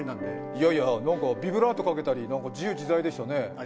いやいや、ビブラートかけたり自由自在でしたね。